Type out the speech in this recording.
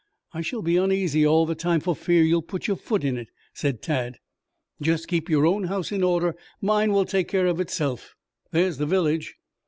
I shall be uneasy all the time for fear you'll put your foot in it," said Tad. "Just keep your own house in order. Mine will take care of itself. There's the village."